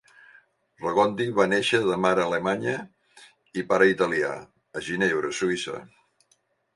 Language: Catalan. Regondi va néixer de mare alemanya i pare italià a Ginebra, Suïssa.